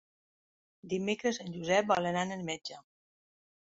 Dimecres en Josep vol anar al metge.